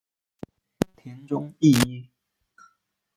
田中义一。